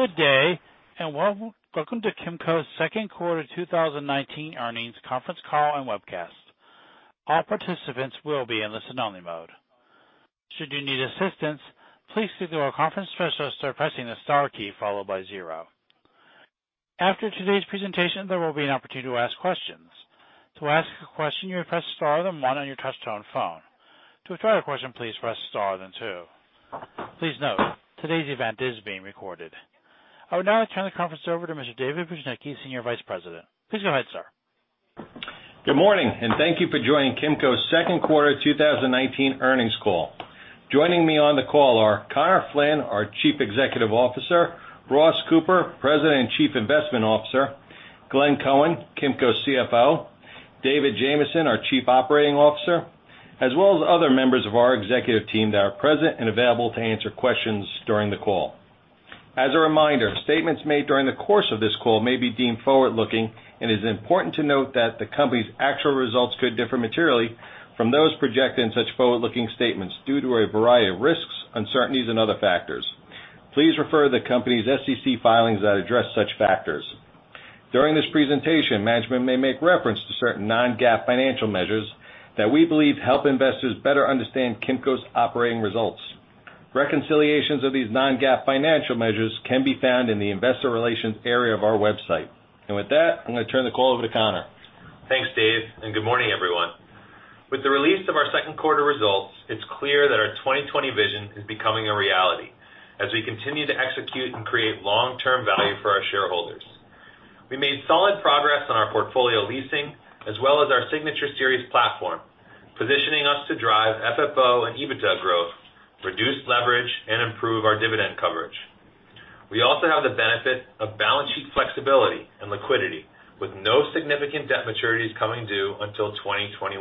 Good day. Welcome to Kimco's second quarter 2019 earnings conference call and webcast. All participants will be in listen-only mode. Should you need assistance, please signal our conference specialist by pressing the star key followed by zero. After today's presentation, there will be an opportunity to ask questions. To ask a question, you may press star then one on your touch-tone phone. To withdraw your question, please press star then two. Please note, today's event is being recorded. I would now like to turn the conference over to Mr. David Bujnicki, Senior Vice President. Please go ahead, sir. Good morning, and thank you for joining Kimco's second quarter 2019 earnings call. Joining me on the call are Conor Flynn, our Chief Executive Officer, Ross Cooper, President and Chief Investment Officer, Glenn Cohen, Kimco CFO, David Jamieson, our Chief Operating Officer, as well as other members of our executive team that are present and available to answer questions during the call. As a reminder, statements made during the course of this call may be deemed forward-looking, and it is important to note that the company's actual results could differ materially from those projected in such forward-looking statements due to a variety of risks, uncertainties, and other factors. Please refer to the company's SEC filings that address such factors. During this presentation, management may make reference to certain non-GAAP financial measures that we believe help investors better understand Kimco's operating results. Reconciliations of these non-GAAP financial measures can be found in the investor relations area of our website. With that, I'm going to turn the call over to Conor. Thanks, Dave. Good morning, everyone. With the release of our second quarter results, it's clear that our 2020 Vision is becoming a reality as we continue to execute and create long-term value for our shareholders. We made solid progress on our portfolio leasing as well as our Signature Series platform, positioning us to drive FFO and EBITDA growth, reduce leverage, and improve our dividend coverage. We also have the benefit of balance sheet flexibility and liquidity, with no significant debt maturities coming due until 2021.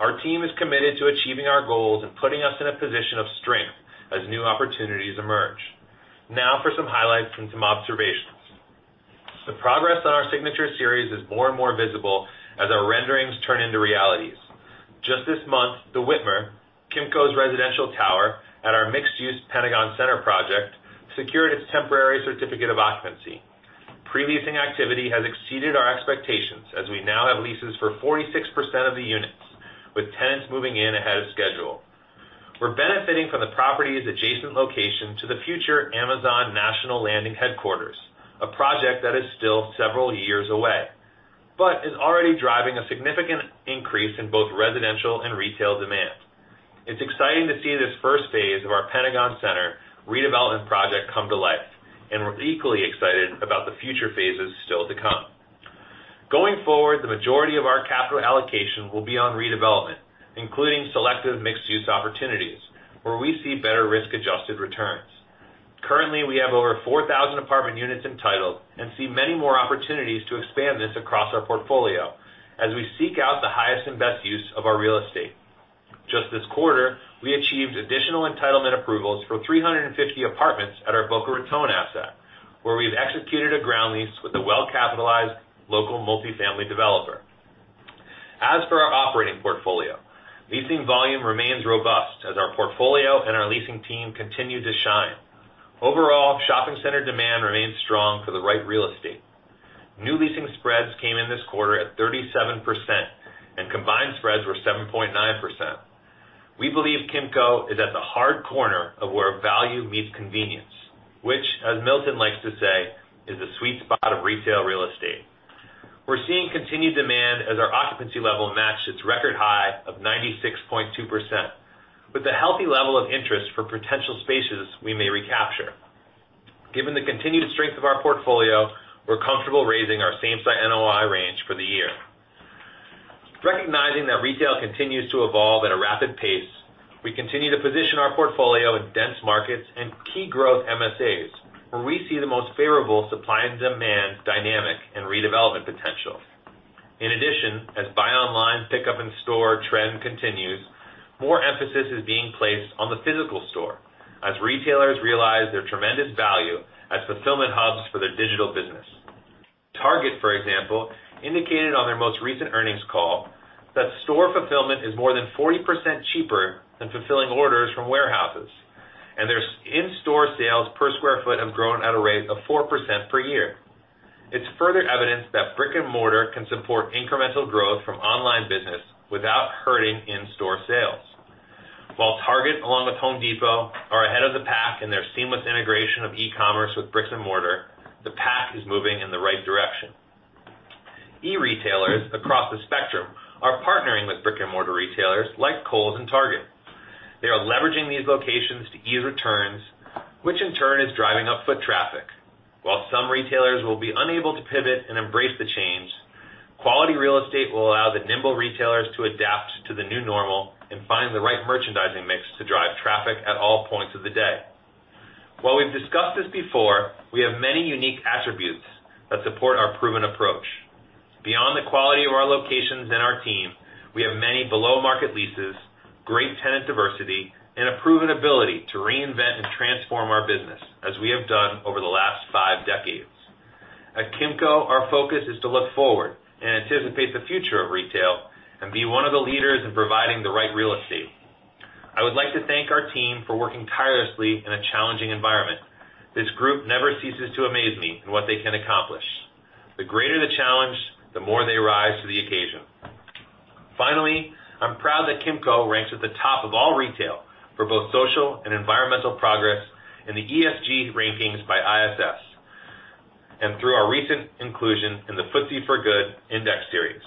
Our team is committed to achieving our goals and putting us in a position of strength as new opportunities emerge. For some highlights and some observations. The progress on our Signature Series is more and more visible as our renderings turn into realities. Just this month, The Witmer, Kimco's residential tower at our mixed-use Pentagon Centre project, secured its temporary certificate of occupancy. Pre-leasing activity has exceeded our expectations as we now have leases for 46% of the units, with tenants moving in ahead of schedule. We're benefiting from the property's adjacent location to the future Amazon National Landing headquarters, a project that is still several years away but is already driving a significant increase in both residential and retail demand. It's exciting to see this first phase of our Pentagon Centre redevelopment project come to life, and we're equally excited about the future phases still to come. Going forward, the majority of our capital allocation will be on redevelopment, including selective mixed-use opportunities where we see better risk-adjusted returns. Currently, we have over 4,000 apartment units entitled and see many more opportunities to expand this across our portfolio as we seek out the highest and best use of our real estate. Just this quarter, we achieved additional entitlement approvals for 350 apartments at our Boca Raton asset, where we've executed a ground lease with a well-capitalized local multifamily developer. As for our operating portfolio, leasing volume remains robust as our portfolio and our leasing team continue to shine. Overall, shopping center demand remains strong for the right real estate. New leasing spreads came in this quarter at 37%, and combined spreads were 7.9%. We believe Kimco is at the hard corner of where value meets convenience, which, as Milton likes to say, is the sweet spot of retail real estate. We're seeing continued demand as our occupancy level matched its record high of 96.2% with a healthy level of interest for potential spaces we may recapture. Given the continued strength of our portfolio, we're comfortable raising our same-site NOI range for the year. Recognizing that retail continues to evolve at a rapid pace, we continue to position our portfolio in dense markets and key growth MSAs where we see the most favorable supply and demand dynamic and redevelopment potential. In addition, as buy online pickup in store trend continues, more emphasis is being placed on the physical store as retailers realize their tremendous value as fulfillment hubs for their digital business. Target, for example, indicated on their most recent earnings call that store fulfillment is more than 40% cheaper than fulfilling orders from warehouses, and their in-store sales per square foot have grown at a rate of 4% per year. It's further evidence that brick-and-mortar can support incremental growth from online business without hurting in-store sales. While Target, along with Home Depot, are ahead of the pack in their seamless integration of e-commerce with bricks and mortar, the pack is moving in the right direction. E-retailers across the spectrum are partnering with brick-and-mortar retailers like Kohl's and Target. They are leveraging these locations to ease returns, which in turn is driving up foot traffic. While some retailers will be unable to pivot and embrace the change, quality real estate will allow the nimble retailers to adapt to the new normal and find the right merchandising mix to drive traffic at all points of the day. While we've discussed this before, we have many unique attributes that support our proven approach. Beyond the quality of our locations and our team, we have many below-market leases, great tenant diversity, and a proven ability to reinvent and transform our business as we have done over the last five decades. At Kimco, our focus is to look forward and anticipate the future of retail and be one of the leaders in providing the right real estate. I would like to thank our team for working tirelessly in a challenging environment. This group never ceases to amaze me in what they can accomplish. The greater the challenge, the more they rise to the occasion. Finally, I'm proud that Kimco ranks at the top of all retail for both social and environmental progress in the ESG rankings by ISS, and through our recent inclusion in the FTSE4Good index series.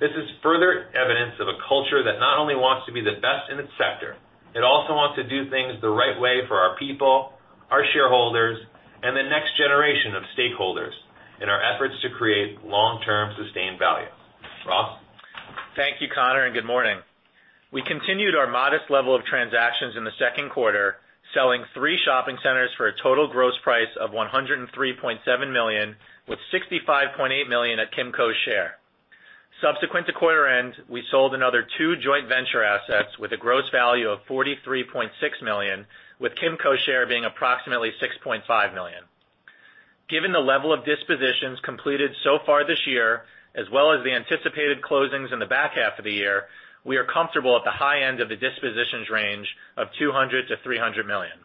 This is further evidence of a culture that not only wants to be the best in its sector, it also wants to do things the right way for our people, our shareholders, and the next generation of stakeholders in our efforts to create long-term sustained value. Ross? Thank you, Conor, and good morning. We continued our modest level of transactions in the second quarter, selling three shopping centers for a total gross price of $103.7 million, with $65.8 million at Kimco's share. Subsequent to quarter end, we sold another two joint venture assets with a gross value of $43.6 million, with Kimco's share being approximately $6.5 million. Given the level of dispositions completed so far this year, as well as the anticipated closings in the back half of the year, we are comfortable at the high end of the dispositions range of $200 million-$300 million.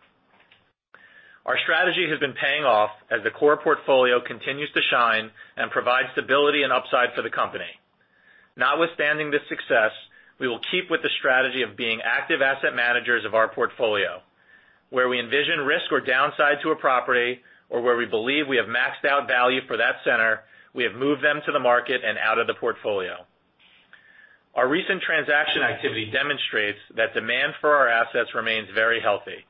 Our strategy has been paying off as the core portfolio continues to shine and provide stability and upside for the company. Notwithstanding this success, we will keep with the strategy of being active asset managers of our portfolio. Where we envision risk or downside to a property, or where we believe we have maxed out value for that center, we have moved them to the market and out of the portfolio. Our recent transaction activity demonstrates that demand for our assets remains very healthy.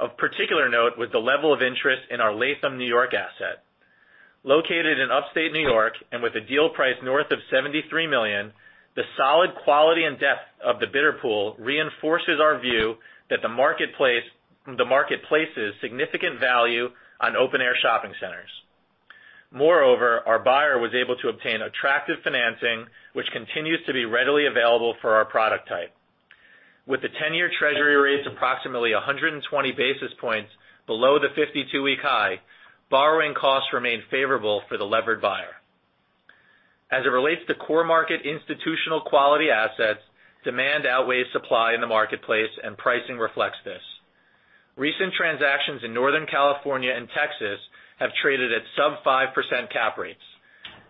Of particular note was the level of interest in our Latham, N.Y. asset. Located in upstate N.Y. and with a deal price north of $73 million, the solid quality and depth of the bidder pool reinforces our view that the marketplace places significant value on open-air shopping centers. Our buyer was able to obtain attractive financing, which continues to be readily available for our product type. With the 10-year Treasury rates approximately 120 basis points below the 52-week high, borrowing costs remain favorable for the levered buyer. As it relates to core market institutional quality assets, demand outweighs supply in the marketplace, and pricing reflects this. Recent transactions in Northern California and Texas have traded at sub 5% cap rates.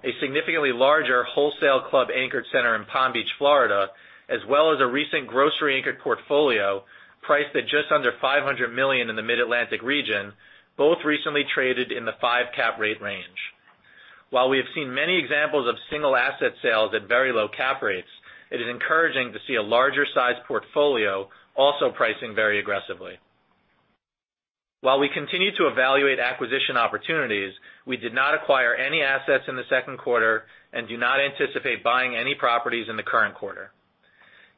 A significantly larger wholesale club anchored center in Palm Beach, Florida, as well as a recent grocery anchored portfolio priced at just under $500 million in the Mid-Atlantic region, both recently traded in the five cap rate range. While we have seen many examples of single asset sales at very low cap rates, it is encouraging to see a larger size portfolio also pricing very aggressively. While we continue to evaluate acquisition opportunities, we did not acquire any assets in the second quarter and do not anticipate buying any properties in the current quarter.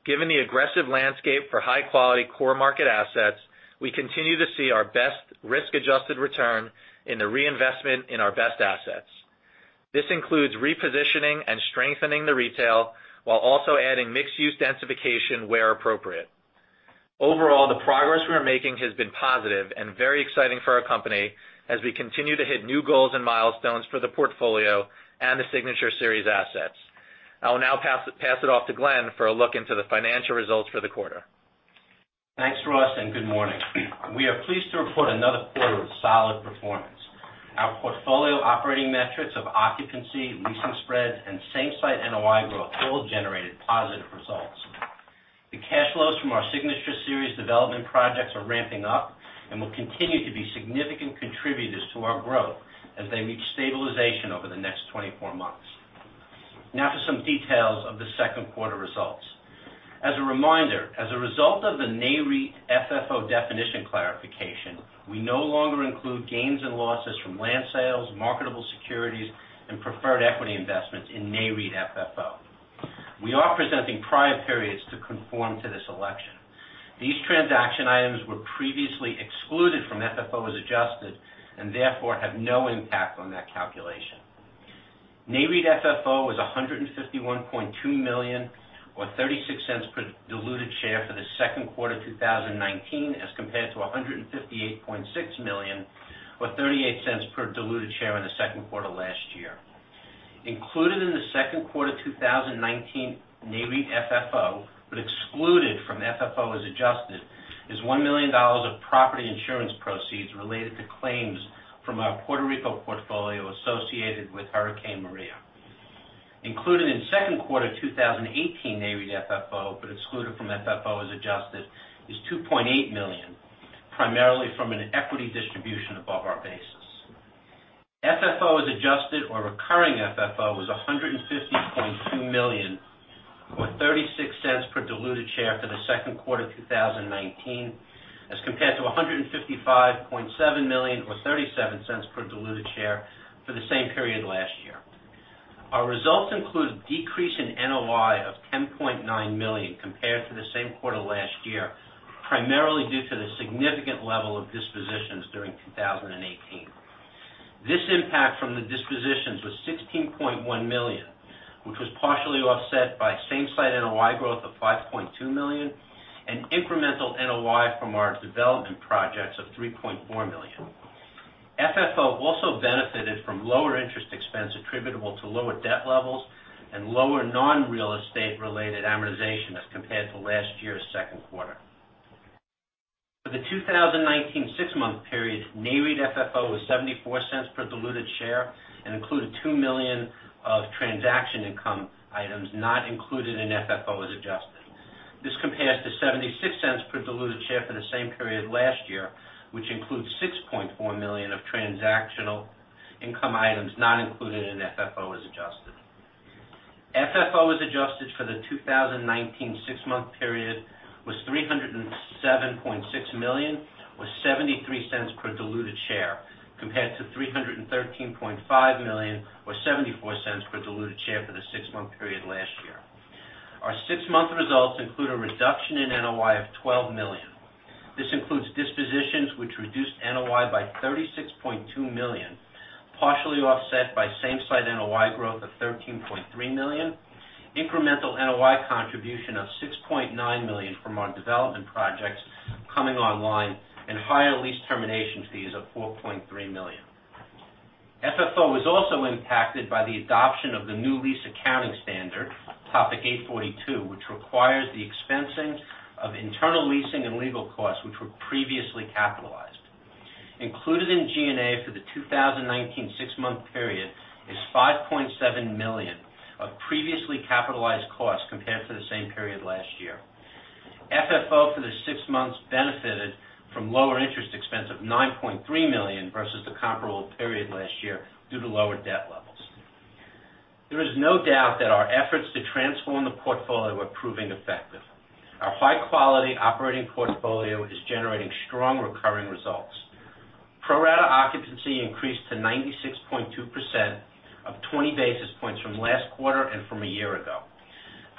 Given the aggressive landscape for high-quality core market assets, we continue to see our best risk-adjusted return in the reinvestment in our best assets. This includes repositioning and strengthening the retail while also adding mixed-use densification where appropriate. Overall, the progress we are making has been positive and very exciting for our company as we continue to hit new goals and milestones for the portfolio and the Signature Series assets. I will now pass it off to Glenn for a look into the financial results for the quarter. Thanks, Ross, and good morning. We are pleased to report another quarter of solid performance. Our portfolio operating metrics of occupancy, leasing spreads, and same-site NOI growth all generated positive results. The cash flows from our Signature Series development projects are ramping up and will continue to be significant contributors to our growth as they reach stabilization over the next 24 months. For some details of the second quarter results. As a reminder, as a result of the Nareit FFO definition clarification, we no longer include gains and losses from land sales, marketable securities, and preferred equity investments in Nareit FFO. We are presenting prior periods to conform to this election. These transaction items were previously excluded from FFO as adjusted, and therefore have no impact on that calculation. Nareit FFO was $151.2 million, or $0.36 per diluted share for the second quarter 2019, as compared to $158.6 million, or $0.38 per diluted share in the second quarter last year. Included in the second quarter 2019 Nareit FFO, but excluded from FFO as adjusted, is $1 million of property insurance proceeds related to claims from our Puerto Rico portfolio associated with Hurricane Maria. Included in second quarter 2018 Nareit FFO, but excluded from FFO as adjusted, is $2.8 million, primarily from an equity distribution above our base. FFO as adjusted or recurring FFO was $150.2 million, or $0.36 per diluted share for the second quarter 2019, as compared to $155.7 million or $0.37 per diluted share for the same period last year. Our results include a decrease in NOI of $10.9 million compared to the same quarter last year, primarily due to the significant level of dispositions during 2018. This impact from the dispositions was $16.1 million, which was partially offset by same-site NOI growth of $5.2 million and incremental NOI from our development projects of $3.4 million. FFO also benefited from lower interest expense attributable to lower debt levels and lower non-real estate-related amortization as compared to last year's second quarter. For the 2019 six-month period, Nareit FFO was $0.74 per diluted share and included $2 million of transaction income items not included in FFO as adjusted. This compares to $0.76 per diluted share for the same period last year, which includes $6.4 million of transactional income items not included in FFO as adjusted. FFO as adjusted for the 2019 six-month period was $307.6 million, or $0.73 per diluted share, compared to $313.5 million or $0.74 per diluted share for the six-month period last year. Our six-month results include a reduction in NOI of $12 million. This includes dispositions which reduced NOI by $36.2 million, partially offset by same-site NOI growth of $13.3 million, incremental NOI contribution of $6.9 million from our development projects coming online, and higher lease termination fees of $4.3 million. FFO was also impacted by the adoption of the new lease accounting standard, Topic 842, which requires the expensing of internal leasing and legal costs which were previously capitalized. Included in G&A for the 2019 six-month period is $5.7 million of previously capitalized costs compared to the same period last year. FFO for the six months benefited from lower interest expense of $9.3 million versus the comparable period last year due to lower debt levels. There is no doubt that our efforts to transform the portfolio are proving effective. Our high-quality operating portfolio is generating strong recurring results. Pro-rata occupancy increased to 96.2%, up 20 basis points from last quarter and from a year ago.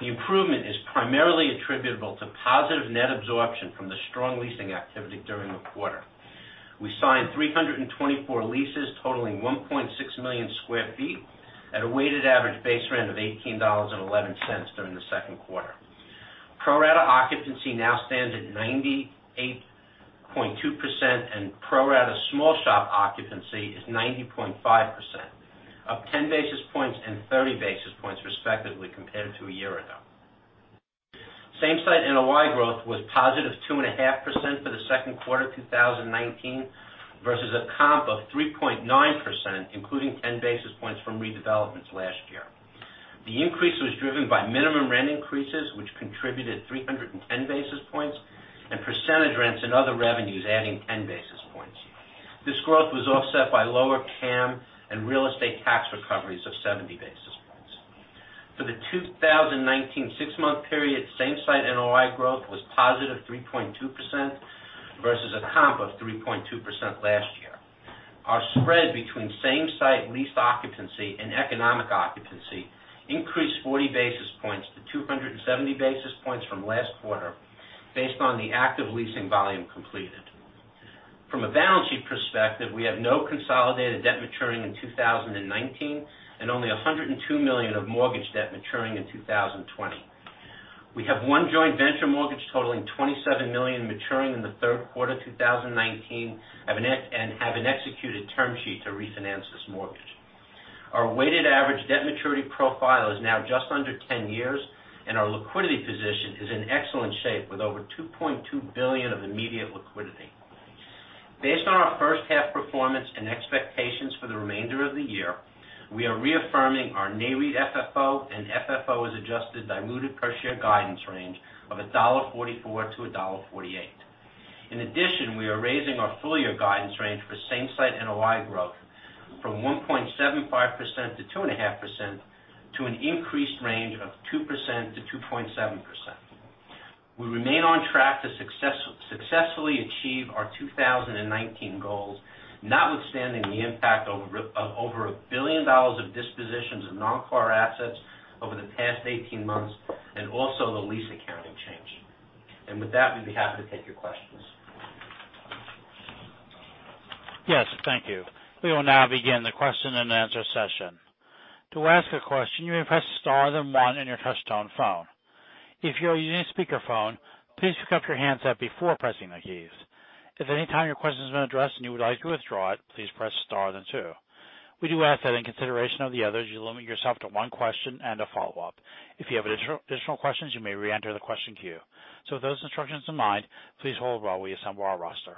The improvement is primarily attributable to positive net absorption from the strong leasing activity during the quarter. We signed 324 leases totaling 1.6 million sq ft at a weighted average base rent of $18.11 during the second quarter. Pro-rata occupancy now stands at 98.2%, and pro-rata small shop occupancy is 90.5%, up 10 basis points and 30 basis points respectively compared to a year ago. Same-site NOI growth was +2.5% for the second quarter 2019 versus a comp of 3.9%, including 10 basis points from redevelopments last year. The increase was driven by minimum rent increases, which contributed 310 basis points, and percentage rents and other revenues adding 10 basis points. This growth was offset by lower CAM and real estate tax recoveries of 70 basis points. For the 2019 six-month period, same-site NOI growth was +3.2% versus a comp of 3.2% last year. Our spread between same-site lease occupancy and economic occupancy increased 40 basis points to 270 basis points from last quarter, based on the active leasing volume completed. From a balance sheet perspective, we have no consolidated debt maturing in 2019 and only $102 million of mortgage debt maturing in 2020. We have one joint venture mortgage totaling $27 million maturing in the third quarter 2019 and have an executed term sheet to refinance this mortgage. Our weighted average debt maturity profile is now just under 10 years, and our liquidity position is in excellent shape with over $2.2 billion of immediate liquidity. Based on our first half performance and expectations for the remainder of the year, we are reaffirming our Nareit FFO and FFO as adjusted diluted per share guidance range of $1.44-$1.48. In addition, we are raising our full-year guidance range for same-site NOI growth from 1.75%-2.5% to an increased range of 2%-2.7%. We remain on track to successfully achieve our 2019 goals, notwithstanding the impact of over $1 billion of dispositions of non-core assets over the past 18 months and also the lease accounting change. With that, we'd be happy to take your questions. Yes, thank you. We will now begin the question-and-answer session. To ask a question, you may press star then one on your touch-tone phone. If you're using a speakerphone, please pick up your handset before pressing the keys. If at any time your question has been addressed and you would like to withdraw it, please press star then two. We do ask that in consideration of the others, you limit yourself to one question and a follow-up. If you have additional questions, you may reenter the question queue. With those instructions in mind, please hold while we assemble our roster.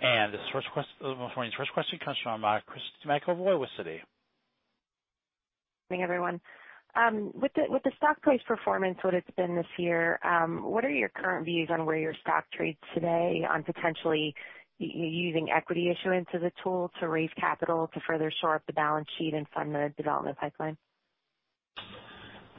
This morning's first question comes from Christy McElroy with Citi. Good morning, everyone. With the stock price performance, what it's been this year, what are your current views on where your stock trades today on potentially using equity issuance as a tool to raise capital to further shore up the balance sheet and fund the development pipeline?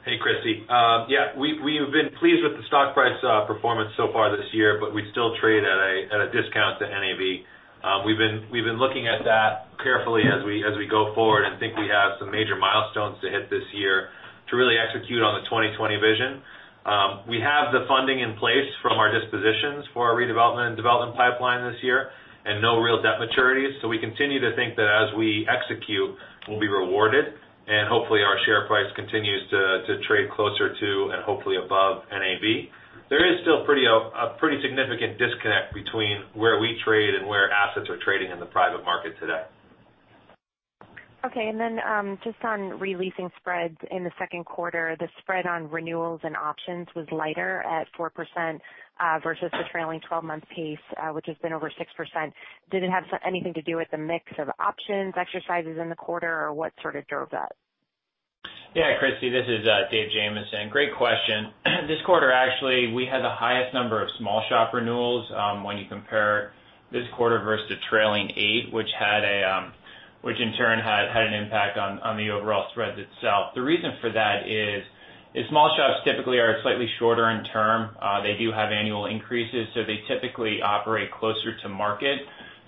Hey, Christy. Yeah, we've been pleased with the stock price performance so far this year, but we still trade at a discount to NAV. We've been looking at that carefully as we go forward and think we have some major milestones to hit this year to really execute on the 2020 Vision. We have the funding in place from our dispositions for our redevelopment and development pipeline this year and no real debt maturities. We continue to think that as we execute, we'll be rewarded and hopefully our share price continues to trade closer to, and hopefully above NAV. There is still a pretty significant disconnect between where we trade and where assets are trading in the private market today. Okay, just on re-leasing spreads in the second quarter, the spread on renewals and options was lighter at 4% versus the trailing 12-month pace, which has been over 6%. Did it have anything to do with the mix of options exercises in the quarter? What sort of drove that? Yeah, Christy, this is Dave Jamieson. Great question. This quarter, actually, we had the highest number of small shop renewals, when you compare this quarter versus trailing eight, which in turn had an impact on the overall spreads itself. The reason for that is small shops typically are slightly shorter in term. They do have annual increases, so they typically operate closer to market.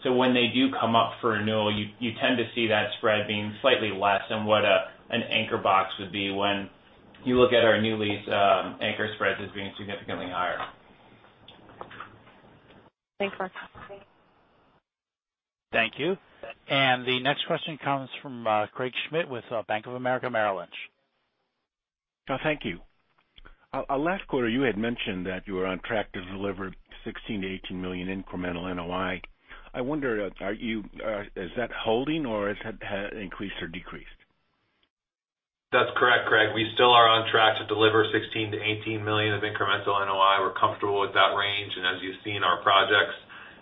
When they do come up for renewal, you tend to see that spread being slightly less than what an anchor box would be. When you look at our new lease, anchor spreads is being significantly higher. Thanks for that. Thank you. The next question comes from Craig Schmidt with Bank of America Merrill Lynch. Oh, thank you. Last quarter, you had mentioned that you were on track to deliver $16 million-$18 million incremental NOI. I wonder, is that holding, or has that increased or decreased? That's correct, Craig. We still are on track to deliver $16 million-$18 million of incremental NOI. We're comfortable with that range, and as you've seen our projects,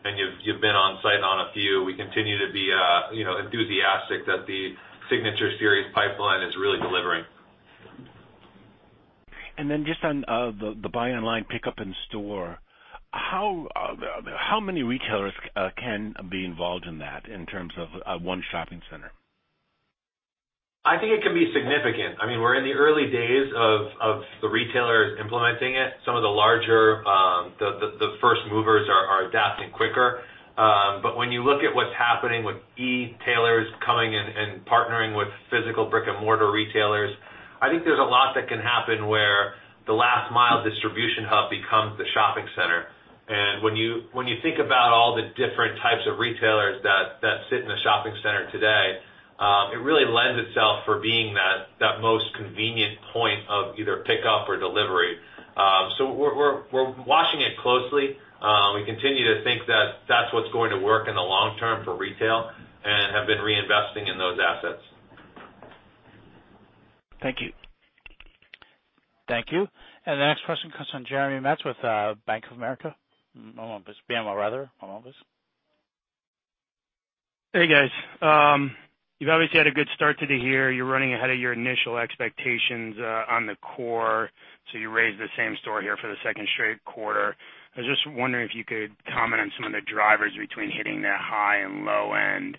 and you've been on site on a few, we continue to be enthusiastic that the Signature Series pipeline is really delivering. Just on the buy online pickup in store, how many retailers can be involved in that in terms of one shopping center? I think it can be significant. We're in the early days of the retailers implementing it. Some of the larger, the first movers are adapting quicker. When you look at what's happening with e-tailers coming in and partnering with physical brick and mortar retailers, I think there's a lot that can happen where the last mile distribution hub becomes the shopping center. When you think about all the different types of retailers that sit in a shopping center today, it really lends itself for being that most convenient point of either pickup or delivery. We're watching it closely. We continue to think that that's what's going to work in the long term for retail and have been reinvesting in those assets. Thank you. Thank you. The next question comes from Jeremy Metz with Bank of America. BMO, rather. Hey, guys. You've obviously had a good start to the year. You're running ahead of your initial expectations on the core. You raised the same-store here for the second straight quarter. I was just wondering if you could comment on some of the drivers between hitting the high and low end?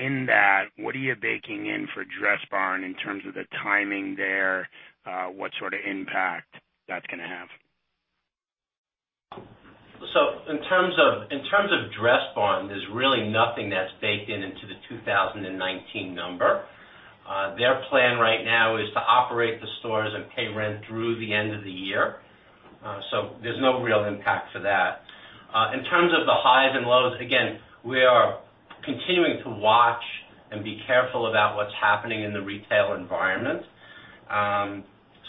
In that, what are you baking in for Dressbarn in terms of the timing there? What sort of impact that's going to have? In terms of Dressbarn, there's really nothing that's baked in into the 2019 number. Their plan right now is to operate the stores and pay rent through the end of the year. There's no real impact for that. In terms of the highs and lows, again, we are continuing to watch and be careful about what's happening in the retail environment.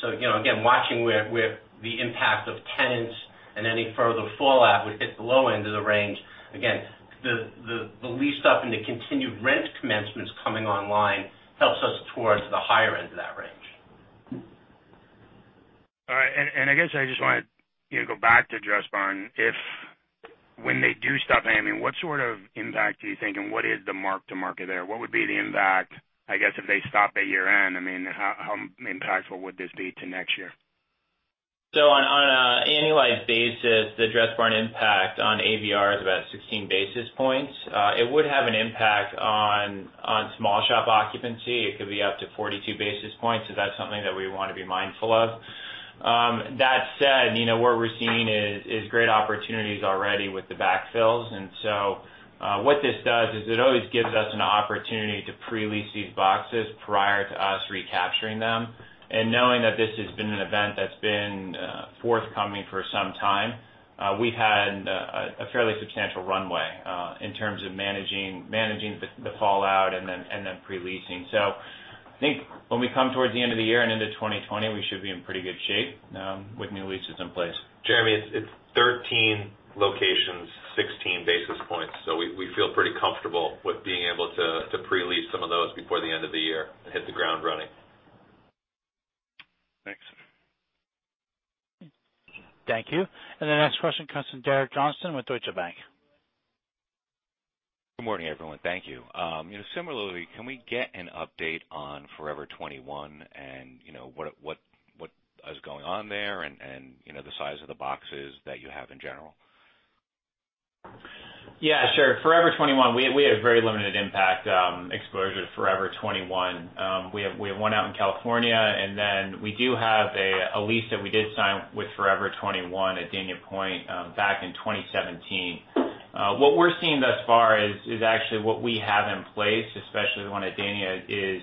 Again, watching where the impact of tenants and any further fallout would hit the low end of the range. Again, the leased up and the continued rent commencements coming online helps us towards the higher end of that range. All right. I guess I just want to go back to Dressbarn. If, when they do stop paying, what sort of impact are you thinking? What is the mark to market there? What would be the impact, I guess, if they stop at year-end? How impactful would this be to next year? On an annualized basis, the Dressbarn impact on ABR is about 16 basis points. It would have an impact on small shop occupancy. It could be up to 42 basis points, so that's something that we want to be mindful of. That said, what we're seeing is great opportunities already with the backfills. What this does is it always gives us an opportunity to pre-lease these boxes prior to us recapturing them. Knowing that this has been an event that's been forthcoming for some time, we had a fairly substantial runway in terms of managing the fallout and then pre-leasing. I think when we come towards the end of the year and into 2020, we should be in pretty good shape with new leases in place. Jeremy, it's 13 locations, 16 basis points. We feel pretty comfortable with being able to pre-lease some of those before the end of the year and hit the ground running. Thanks. Thank you. The next question comes from Derek Johnston with Deutsche Bank. Good morning, everyone. Thank you. Similarly, can we get an update on Forever 21 and what is going on there and the size of the boxes that you have in general? Yeah, sure. Forever 21, we had a very limited impact exposure to Forever 21. We have one out in California, we do have a lease that we did sign with Forever 21 at Dania Pointe back in 2017. What we're seeing thus far is actually what we have in place, especially the one at Dania, is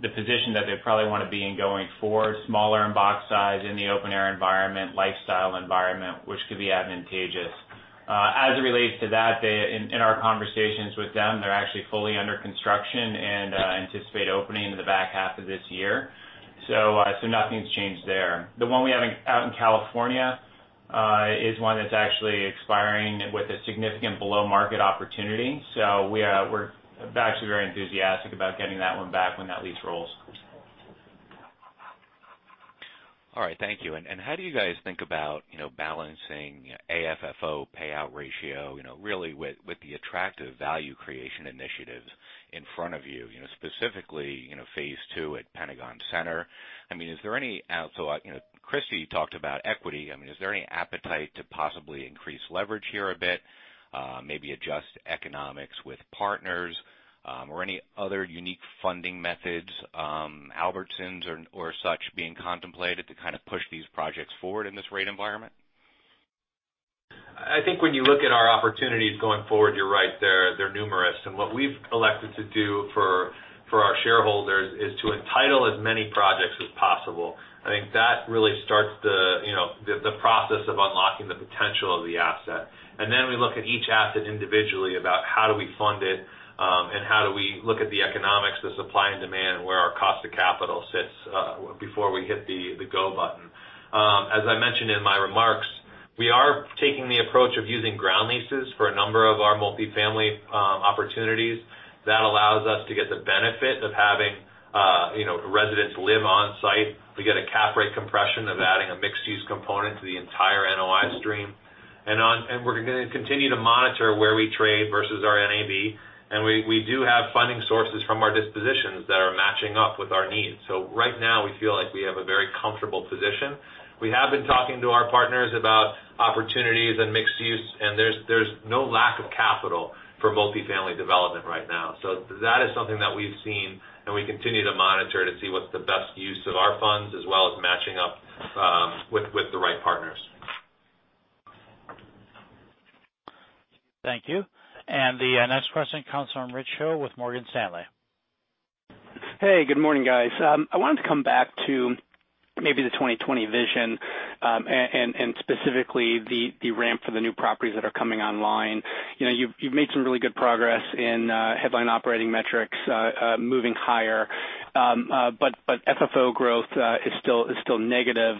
the position that they probably want to be in going forward, smaller in box size, in the open air environment, lifestyle environment, which could be advantageous. As it relates to that, in our conversations with them, they're actually fully under construction and anticipate opening in the back half of this year. Nothing's changed there. The one we have out in California is one that's actually expiring with a significant below-market opportunity. We're actually very enthusiastic about getting that one back when that lease rolls. All right, thank you. How do you guys think about balancing AFFO payout ratio, really with the attractive value creation initiatives in front of you, specifically, Phase Two at Pentagon Centre. Christy talked about equity. Is there any appetite to possibly increase leverage here a bit, maybe adjust economics with partners, or any other unique funding methods, Albertsons or such, being contemplated to kind of push these projects forward in this rate environment? I think when you look at our opportunities going forward, you're right, they're numerous. What we've elected to do for our shareholders is to entitle as many projects as possible. I think that really starts the process of unlocking the potential of the asset. Then we look at each asset individually about how do we fund it and how do we look at the economics, the supply and demand, and where our cost of capital sits before we hit the go button. As I mentioned in my remarks, we are taking the approach of using ground leases for a number of our multi-family opportunities. That allows us to get the benefit of having residents live on-site. We get a cap rate compression of adding a mixed-use component to the entire NOI stream. We're going to continue to monitor where we trade versus our NAV. We do have funding sources from our dispositions that are matching up with our needs. Right now, we feel like we have a very comfortable position. We have been talking to our partners about opportunities and mixed use, and there's no lack of capital for multi-family development right now. That is something that we've seen, and we continue to monitor to see what's the best use of our funds, as well as matching up with the right partners. Thank you. The next question comes from Rich Hill with Morgan Stanley. Hey, good morning, guys. I wanted to come back to maybe the 2020 Vision, specifically the ramp for the new properties that are coming online. You've made some really good progress in headline operating metrics moving higher. FFO growth is still negative.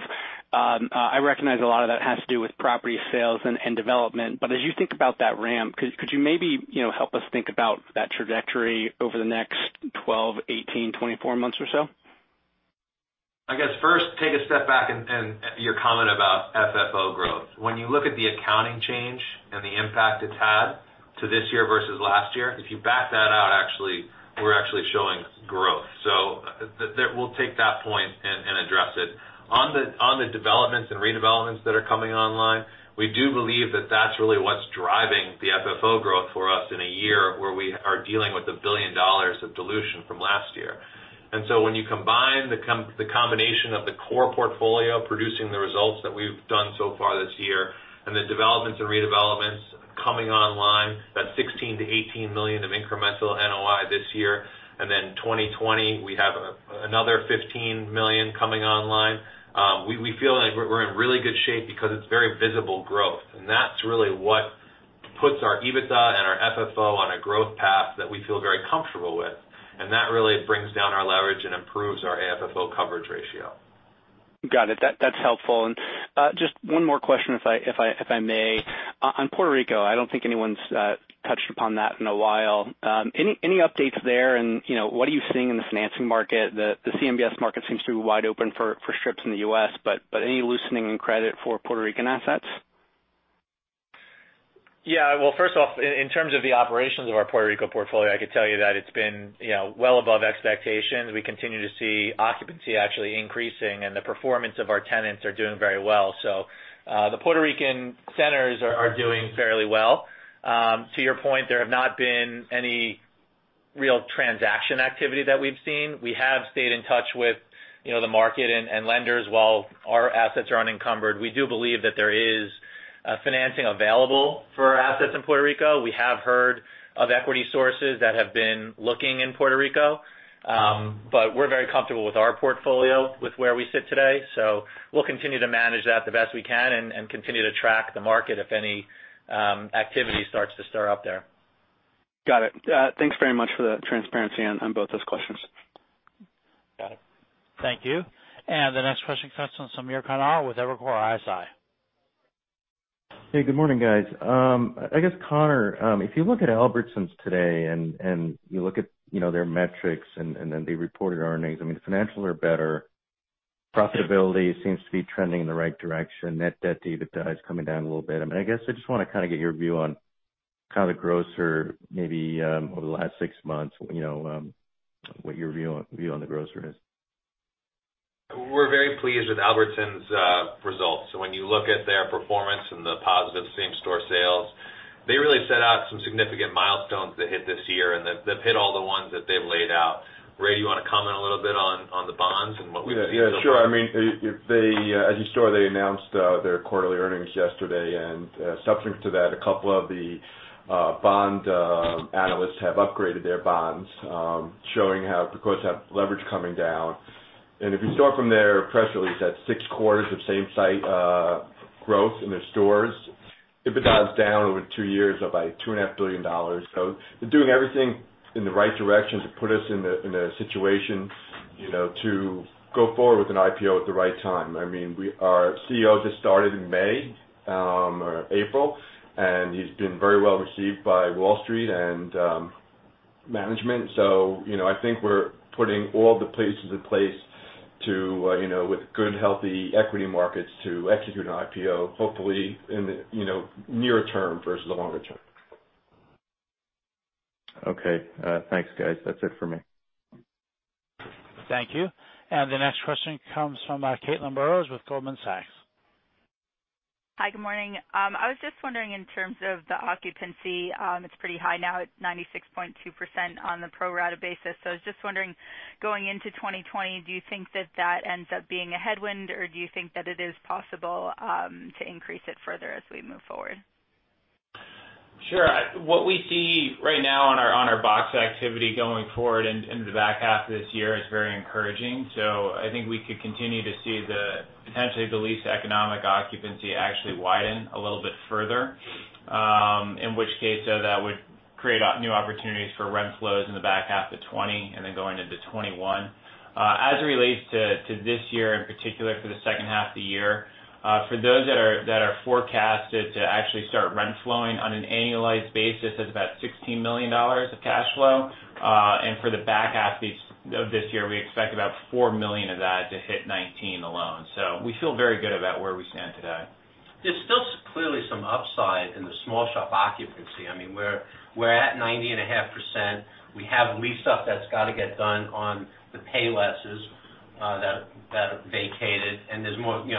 I recognize a lot of that has to do with property sales and development, but as you think about that ramp, could you maybe help us think about that trajectory over the next 12, 18, 24 months or so? I guess first, take a step back in your comment about FFO growth. The accounting change and the impact it's had to this year versus last year, if you back that out, we're actually showing growth. We'll take that point and address it. The developments and redevelopments that are coming online, we do believe that that's really what's driving the FFO growth for us in a year where we are dealing with $1 billion of dilution from last year. When you combine the combination of the core portfolio producing the results that we've done so far this year and the developments and redevelopments coming online, that's $16 million-$18 million of incremental NOI this year, and then 2020, we have another $15 million coming online. We feel like we're in really good shape because it's very visible growth. That's really what puts our EBITDA and our FFO on a growth path that we feel very comfortable with. That really brings down our leverage and improves our AFFO coverage ratio. Got it. That's helpful. Just one more question, if I may. On Puerto Rico, I don't think anyone's touched upon that in a while. Any updates there and what are you seeing in the financing market? The CMBS market seems to be wide open for strips in the U.S., but any loosening in credit for Puerto Rican assets? Well, first off, in terms of the operations of our Puerto Rico portfolio, I could tell you that it's been well above expectations. We continue to see occupancy actually increasing, and the performance of our tenants are doing very well. The Puerto Rican centers are doing fairly well. To your point, there have not been any real transaction activity that we've seen. We have stayed in touch with the market and lenders. While our assets are unencumbered, we do believe that there is financing available for our assets in Puerto Rico. We have heard of equity sources that have been looking in Puerto Rico. We're very comfortable with our portfolio, with where we sit today. We'll continue to manage that the best we can and continue to track the market if any activity starts to stir up there. Got it. Thanks very much for the transparency on both those questions. Got it. Thank you. The next question comes from Samir Khanal with Evercore ISI. Hey, good morning, guys. I guess, Conor, if you look at Albertsons today and you look at their metrics and then the reported earnings, I mean, the financials are better. Profitability seems to be trending in the right direction. Net debt-to-EBITDA is coming down a little bit. I guess I just want to kind of get your view on kind of the grocer, maybe over the last six months, what your view on the grocer is. We're very pleased with Albertsons' results. When you look at their performance and the positive same-store sales, they really set out some significant milestones to hit this year, and they've hit all the ones that they've laid out. Ray, you want to comment a little bit on the bonds and what we see for Albertsons? Yeah, sure. As you saw, they announced their quarterly earnings yesterday. Subsequent to that, a couple of the bond analysts have upgraded their bonds, showing how peers have leverage coming down. If you saw from their press release, that's six quarters of same-site growth in their stores. EBITDA is down over two years by $2.5 billion. They're doing everything in the right direction to put us in the situation to go forward with an IPO at the right time. Our CEO just started in May or April. He's been very well-received by Wall Street and management. I think we're putting all the pieces in place to, with good, healthy equity markets, to execute an IPO, hopefully in the near term versus the longer term. Okay. Thanks, guys. That's it for me. Thank you. The next question comes from Caitlin Burrows with Goldman Sachs. Hi. Good morning. I was just wondering in terms of the occupancy, it's pretty high now at 96.2% on the pro-rata basis. I was just wondering, going into 2020, do you think that ends up being a headwind, or do you think that it is possible to increase it further as we move forward? Sure. What we see right now on our box activity going forward into the back half of this year is very encouraging. I think we could continue to see potentially the leased to economic occupancy actually widen a little bit further, in which case, that would create new opportunities for rent flows in the back half of 2020 and then going into 2021. As it relates to this year, in particular for the second half of the year, for those that are forecasted to actually start rent flowing on an annualized basis, that's about $16 million of cash flow. For the back half of this year, we expect about $4 million of that to hit 2019 alone. We feel very good about where we stand today. There's still clearly some upside in the small shop occupancy. We're at 90.5%. We have lease-up that's got to get done on the Paylesses that have vacated, and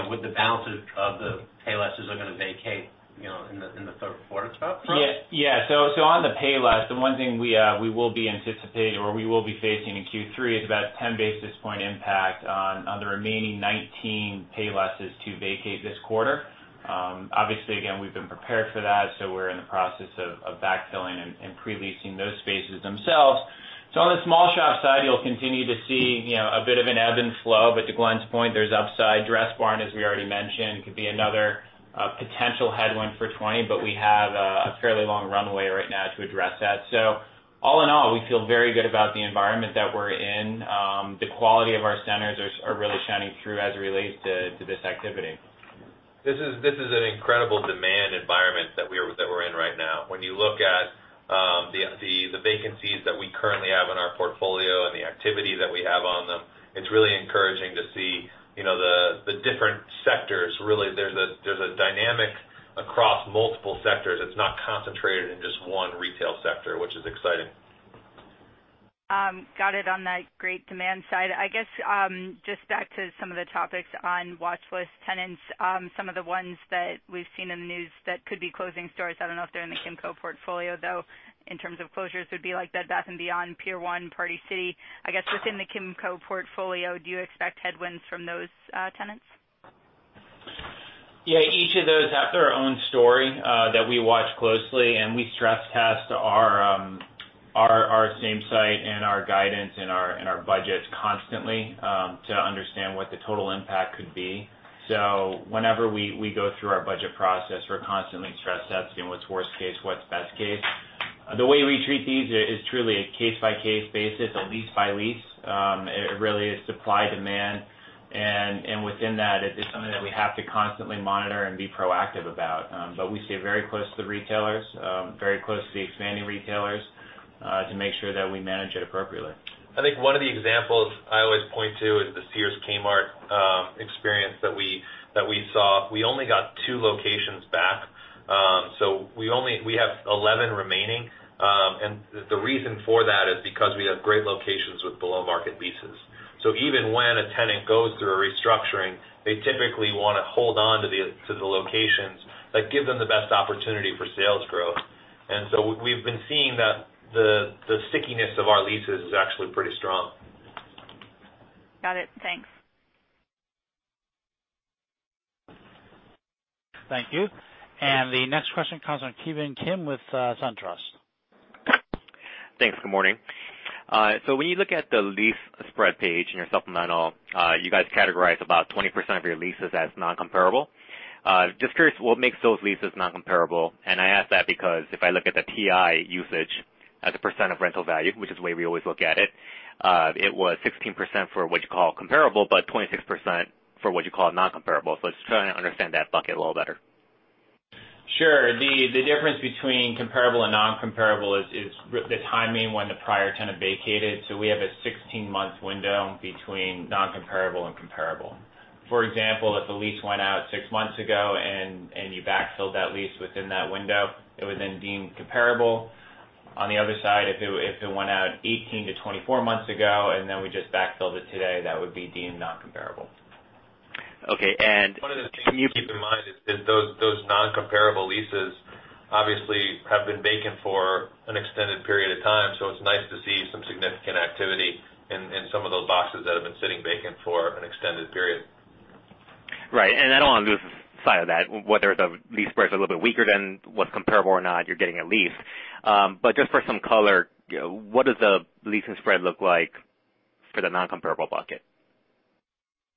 with the balances of the Paylesses are going to vacate in the third quarter, Scott, correct? Yeah. On the Payless, the one thing we will be anticipating or we will be facing in Q3 is about 10 basis point impact on the remaining 19 Paylesses to vacate this quarter. Obviously, again, we've been prepared for that, we're in the process of backfilling and pre-leasing those spaces themselves. On the small shop side, you'll continue to see a bit of an ebb and flow. To Glenn's point, there's upside. Dressbarn, as we already mentioned, could be another potential headwind for 2020, we have a fairly long runway right now to address that. All in all, we feel very good about the environment that we're in. The quality of our centers are really shining through as it relates to this activity. This is an incredible demand environment that we're in right now. When you look at the vacancies that we currently have in our portfolio and the activity that we have on them, it's really encouraging to see the different sectors, really. There's a dynamic across multiple sectors. It's not concentrated in just one retail sector, which is exciting. Got it on that great demand side. I guess, just back to some of the topics on watchlist tenants. Some of the ones that we've seen in the news that could be closing stores, I don't know if they're in the Kimco portfolio, though, in terms of closures, would be like Bed Bath & Beyond, Pier 1, Party City. I guess within the Kimco portfolio, do you expect headwinds from those tenants? Yeah. Each of those have their own story that we watch closely, and we stress-test our same-site and our guidance and our budgets constantly to understand what the total impact could be. Whenever we go through our budget process, we're constantly stress-testing what's worst case, what's best case. The way we treat these is truly a case-by-case basis, a lease by lease. It really is supply-demand. Within that, it's something that we have to constantly monitor and be proactive about. We stay very close to the retailers, very close to the expanding retailers, to make sure that we manage it appropriately. I think one of the examples I always point to is the Sears/Kmart experience that we saw. We only got two locations back. We have 11 remaining. The reason for that is because we have great locations with below-market leases. Even when a tenant goes through a restructuring, they typically want to hold on to the locations that give them the best opportunity for sales growth. We've been seeing that the stickiness of our leases is actually pretty strong. Got it. Thanks. Thank you. The next question comes on Ki Bin Kim with SunTrust. Thanks. Good morning. When you look at the lease spread page in your supplemental, you guys categorize about 20% of your leases as non-comparable. Just curious, what makes those leases non-comparable? I ask that because if I look at the TI usage as a percent of rental value, which is the way we always look at it was 16% for what you call comparable, but 26% for what you call non-comparable. I was trying to understand that bucket a little better. Sure. The difference between comparable and non-comparable is the timing when the prior tenant vacated. We have a 16-month window between non-comparable and comparable. For example, if the lease went out six months ago and you backfilled that lease within that window, it would then be deemed comparable. On the other side, if it went out 18-24 months ago and then we just backfilled it today, that would be deemed non-comparable. Okay. One of the things to keep in mind is those non-comparable leases obviously have been vacant for an extended period of time. It's nice to see some significant activity in some of those boxes that have been sitting vacant for an extended period. Right. I don't want to lose sight of that, whether the lease spread's a little bit weaker than what's comparable or not, you're getting a lease. Just for some color, what does the leasing spread look like for the non-comparable bucket?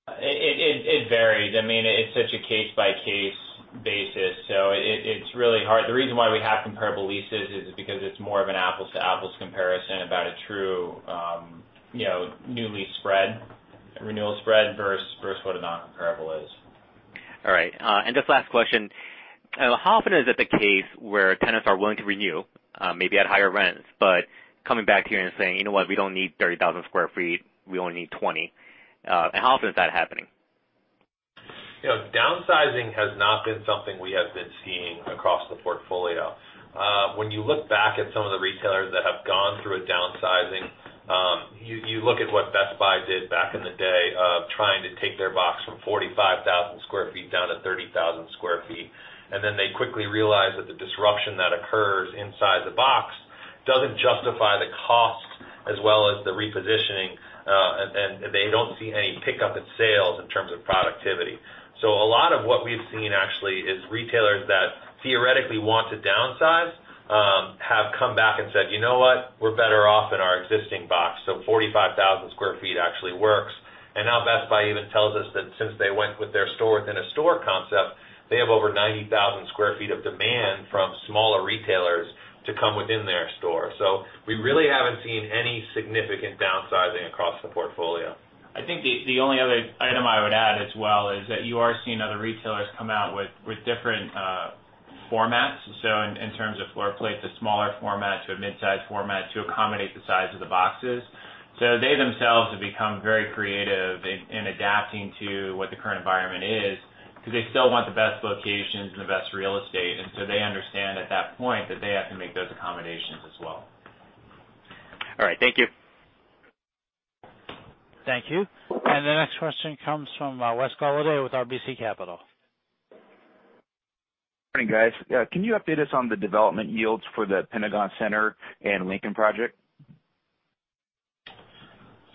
It varies. It's such a case-by-case basis. It's really hard. The reason why we have comparable leases is because it's more of an apples-to-apples comparison about a true new lease spread, renewal spread versus what a non-comparable is. All right. Just last question. How often is it the case where tenants are willing to renew, maybe at higher rents, but coming back to you and saying, "You know what? We don't need 30,000 sq ft. We only need 20,000 sq ft"? How often is that happening? Downsizing has not been something we have been seeing across the portfolio. When you look back at some of the retailers that have gone through a downsizing, you look at what Best Buy did back in the day of trying to take their box from 45,000 sq ft down to 30,000 sq ft, and then they quickly realized that the disruption that occurs inside the box doesn't justify the cost as well as the repositioning, and they don't see any pickup in sales in terms of productivity. A lot of what we've seen actually is retailers that theoretically want to downsize, have come back and said, "You know what? We're better off in our existing box." 45,000 sq ft actually works. Now Best Buy even tells us that since they went with their store-within-a-store concept, they have over 90,000 sq ft of demand from smaller retailers to come within their store. We really haven't seen any significant downsizing across the portfolio. I think the only other item I would add as well is that you are seeing other retailers come out with different formats. In terms of floor plans, a smaller format to a mid-size format to accommodate the size of the boxes. They themselves have become very creative in adapting to what the current environment is because they still want the best locations and the best real estate. They understand at that point that they have to make those accommodations as well. All right. Thank you. Thank you. The next question comes from Wes Golladay with RBC Capital. Morning, guys. Can you update us on the development yields for the Pentagon Centre and Lincoln project?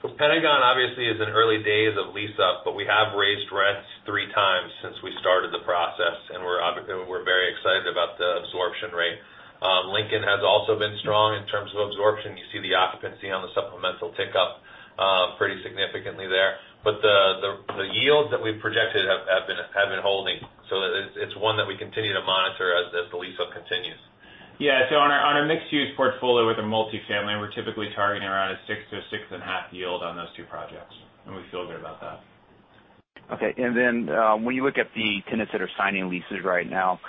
Pentagon obviously is in early days of lease-up, but we have raised rents three times since we started the process, and we're very excited about the absorption rate. Lincoln has also been strong in terms of absorption. You see the occupancy on the supplemental tick up pretty significantly there. The yields that we've projected have been holding. It's one that we continue to monitor as the lease-up continues. Yeah. On our mixed-use portfolio with a multifamily, we're typically targeting around a six to a six and a half yield on those two projects, and we feel good about that. Okay. When you look at the tenants that are signing leases right now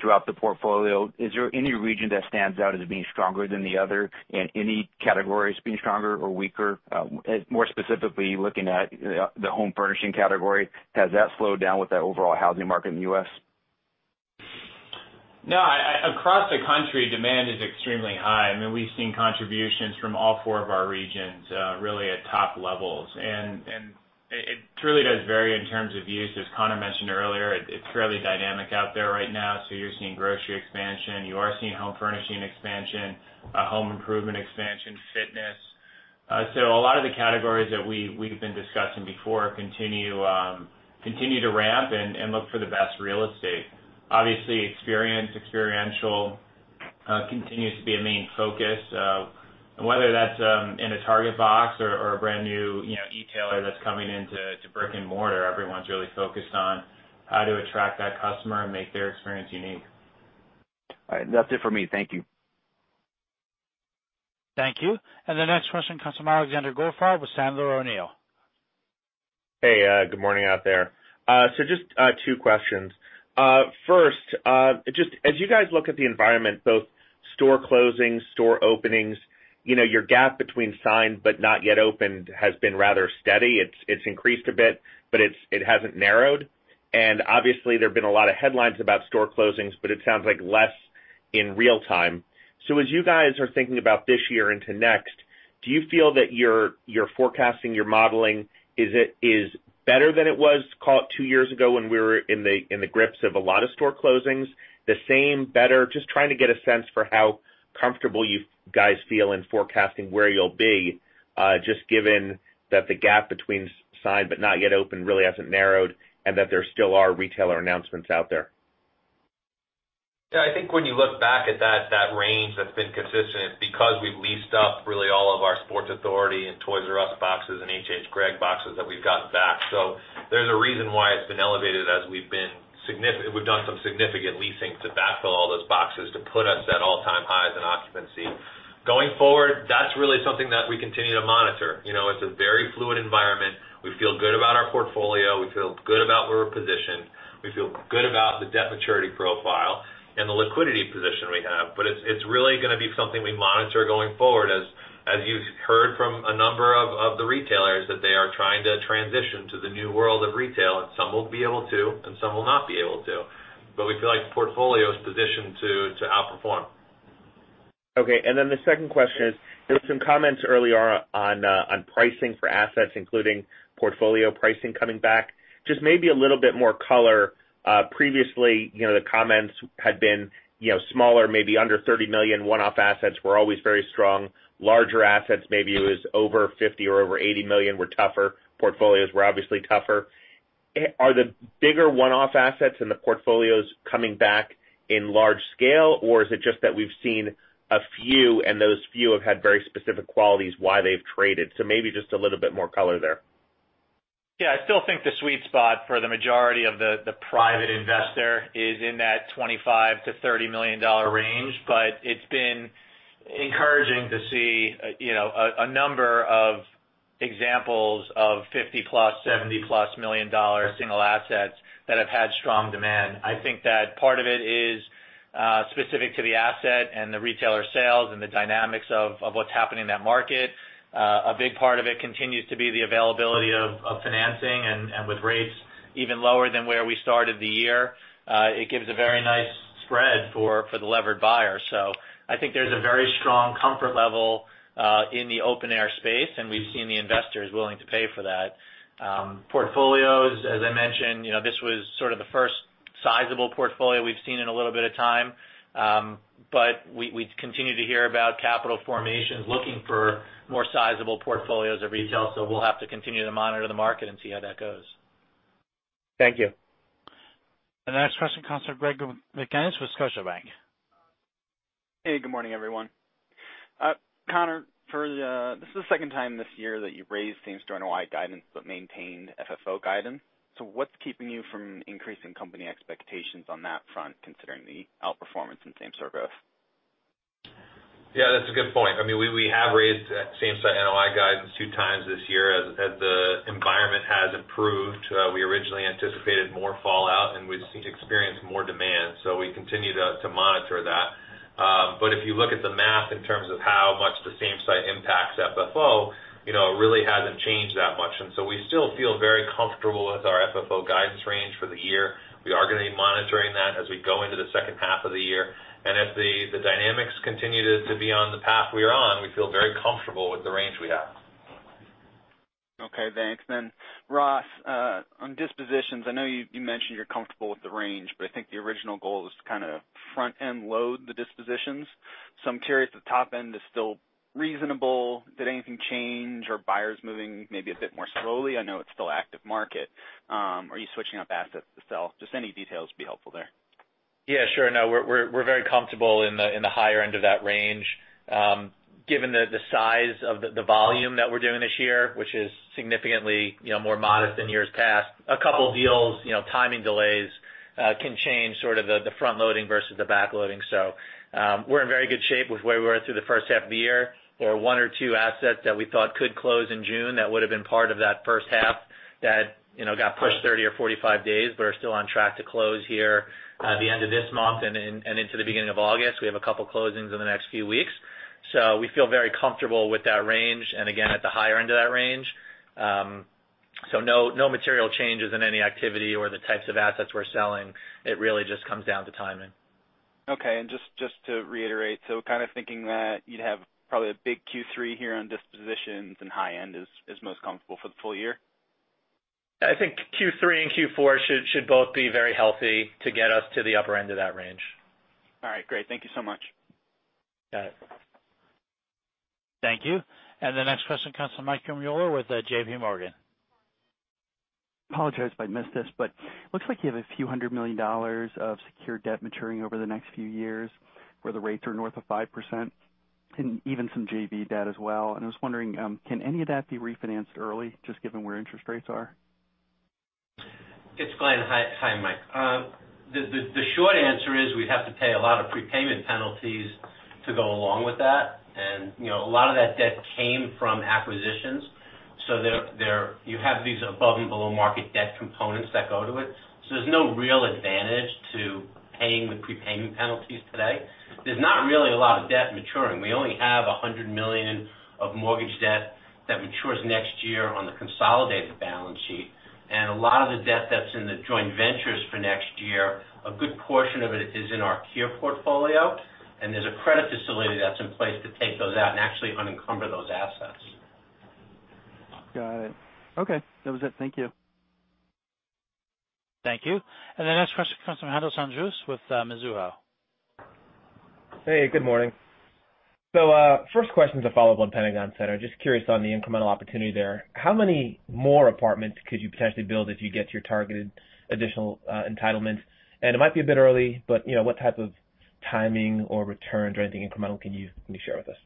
throughout the portfolio, is there any region that stands out as being stronger than the other, and any categories being stronger or weaker? More specifically, looking at the home furnishing category, has that slowed down with the overall housing market in the U.S.? No, across the country, demand is extremely high. We've seen contributions from all four of our regions really at top levels. It truly does vary in terms of use. As Conor mentioned earlier, it's fairly dynamic out there right now. You're seeing grocery expansion, you are seeing home furnishing expansion, home improvement expansion, fitness. A lot of the categories that we've been discussing before continue to ramp and look for the best real estate. Obviously, experience, experiential continues to be a main focus. Whether that's in a Target box or a brand new retailer that's coming into brick-and-mortar, everyone's really focused on how to attract that customer and make their experience unique. All right. That's it for me. Thank you. Thank you. The next question comes from Alexander Goldfarb with Sandler O'Neill. Hey, good morning out there. Just two questions. First, as you guys look at the environment, both store closings, store openings, your gap between signed but not yet opened has been rather steady. It's increased a bit, but it hasn't narrowed. Obviously, there have been a lot of headlines about store closings, but it sounds like less in real-time. As you guys are thinking about this year into next, do you feel that your forecasting, your modeling, is better than it was two years ago when we were in the grips of a lot of store closings? The same, better? Just trying to get a sense for how comfortable you guys feel in forecasting where you'll be, just given that the gap between signed but not yet opened really hasn't narrowed and that there still are retailer announcements out there. I think when you look back at that range that's been consistent, it's because we've leased up really all of our Sports Authority and Toys"R"Us boxes and hhgregg boxes that we've gotten back. There's a reason why it's been elevated as we've done some significant leasing to backfill all those boxes to put us at all-time highs in occupancy. Going forward, that's really something that we continue to monitor. It's a very fluid environment. We feel good about our portfolio. We feel good about where we're positioned. We feel good about the debt maturity profile and the liquidity position we have. It's really going to be something we monitor going forward as you've heard from a number of the retailers, that they are trying to transition to the new world of retail, and some will be able to, and some will not be able to. We feel like the portfolio is positioned to outperform. Okay. Then the second question is, there were some comments earlier on pricing for assets, including portfolio pricing coming back. Just maybe a little bit more color. Previously, the comments had been smaller, maybe under $30 million, one-off assets were always very strong. Larger assets, maybe it was over $50 million or over $80 million, were tougher. Portfolios were obviously tougher. Are the bigger one-off assets in the portfolios coming back in large scale, or is it just that we've seen a few and those few have had very specific qualities why they've traded? Maybe just a little bit more color there. Yeah, I still think the sweet spot for the majority of the private investor is in that $25 million-$30 million range, but it's been encouraging to see a number of examples of $50+ million, $70+ million single assets that have had strong demand. I think that part of it is specific to the asset and the retailer sales and the dynamics of what's happening in that market. A big part of it continues to be the availability of financing, and with rates even lower than where we started the year, it gives a very nice spread for the levered buyer. I think there's a very strong comfort level in the open-air space, and we've seen the investors willing to pay for that. Portfolios, as I mentioned, this was sort of the first sizable portfolio we've seen in a little bit of time. We continue to hear about capital formations looking for more sizable portfolios of retail, so we'll have to continue to monitor the market and see how that goes. Thank you. The next question comes from Greg McGinniss with Scotiabank. Hey, good morning, everyone. Conor, this is the second time this year that you've raised same-store NOI guidance but maintained FFO guidance. What's keeping you from increasing company expectations on that front, considering the outperformance in same-store growth? Yeah, that's a good point. We have raised same-store NOI guidance two times this year as the environment has improved. We originally anticipated more fallout, and we've experienced more demand, so we continue to monitor that. If you look at the math in terms of how much the same-site impacts FFO, it really hasn't changed that much. We still feel very comfortable with our FFO guidance range for the year. We are going to be monitoring that as we go into the second half of the year. If the dynamics continue to be on the path we are on, we feel very comfortable with the range we have. Okay, thanks. Ross, on dispositions, I know you mentioned you're comfortable with the range, but I think the original goal was to kind of front-end load the dispositions. I'm curious if the top end is still reasonable. Did anything change or are buyers moving maybe a bit more slowly? I know it's still an active market. Are you switching up assets to sell? Just any details would be helpful there. Yeah, sure. No, we're very comfortable in the higher end of that range. Given the size of the volume that we're doing this year, which is significantly more modest than years past. A couple deals, timing delays can change sort of the front-loading versus the back-loading. We're in very good shape with where we were through the first half of the year. For one or two assets that we thought could close in June, that would've been part of that first half that got pushed 30 or 45 days, but are still on track to close here at the end of this month and into the beginning of August. We have a couple closings in the next few weeks. We feel very comfortable with that range, and again, at the higher end of that range. No material changes in any activity or the types of assets we're selling. It really just comes down to timing. Okay, just to reiterate, kind of thinking that you'd have probably a big Q3 here on dispositions and high-end is most comfortable for the full year? I think Q3 and Q4 should both be very healthy to get us to the upper end of that range. All right, great. Thank you so much. Got it. Thank you. The next question comes from Michael Mueller with JPMorgan. Apologize if I missed this. Looks like you have a few hundred million dollars of secured debt maturing over the next few years, where the rates are north of 5%, and even some JV debt as well. I was wondering, can any of that be refinanced early, just given where interest rates are? It's Glenn. Hi, Mike. The short answer is we'd have to pay a lot of prepayment penalties to go along with that. A lot of that debt came from acquisitions. You have these above and below market debt components that go to it. There's no real advantage to paying the prepayment penalties today. There's not really a lot of debt maturing. We only have $100 million of mortgage debt that matures next year on the consolidated balance sheet. A lot of the debt that's in the joint ventures for next year, a good portion of it is in our care portfolio, and there's a credit facility that's in place to take those out and actually unencumber those assets. Got it. Okay, that was it. Thank you. Thank you. The next question comes from Haendel St. Juste with Mizuho. Hey, good morning. First question is a follow-up on Pentagon Centre. Just curious on the incremental opportunity there. How many more apartments could you potentially build if you get your targeted additional entitlements? It might be a bit early, but what type of timing or returns or anything incremental can you share with us?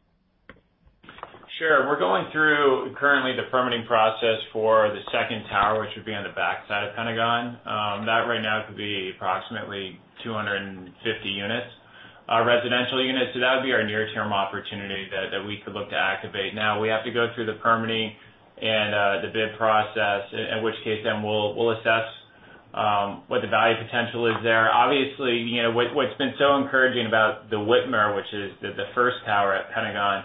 Sure. We're going through currently the permitting process for the second tower, which would be on the back side of Pentagon. That right now could be approximately 250 residential units. That would be our near-term opportunity that we could look to activate. Now, we have to go through the permitting and the bid process, in which case then we'll assess what the value potential is there. Obviously, what's been so encouraging about The Witmer, which is the first tower at Pentagon